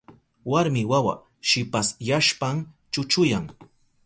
Warmi wawa shipasyashpan chuchuyan.